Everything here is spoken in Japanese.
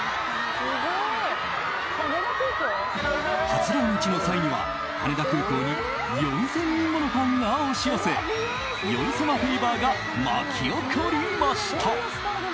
初来日の際には羽田空港に４０００人ものファンが押し寄せヨン様フィーバーが巻き起こりました。